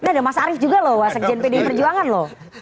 oke ada mas arief juga lho wasekjian pdi perjuangan lho